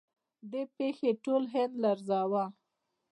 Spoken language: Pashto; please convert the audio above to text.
دې پیښې ټول هند لړزاوه.